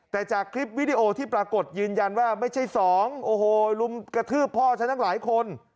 แต่จากคลิปวิดีโอที่ปรากฏยืนยันว่าไม่ใช่สองโอ้โหลุมกระทืบพ่อฉันทั้งหลายคน